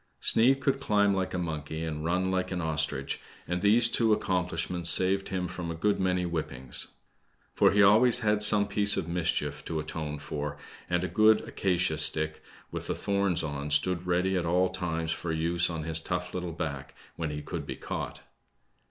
Sneid could climb like a monkey, and run like an ostrich, and these two accomplishments saved him from a good many whippings. For he always had some piece of mischief to atone for, and a good acacia stick, with the thorns on, stood ready at all times for use on his tough little back, when he could be caught.